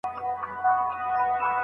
ډاکټرانو او انجینرانو هیواد ته خدمت کاوه.